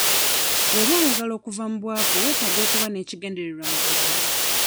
Bw'oba oyagala okuva mu bwavu weetaaga okuba n'ekigendererwa mu bulamu.